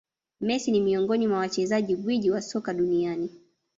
Messi ni miongoni mwa wachezaji gwiji wa soka duniani